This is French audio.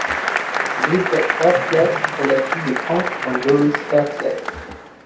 Bridget Hursley est la fille de Frank and Doris Hursley.